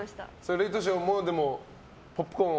レイトショーもポップコーン。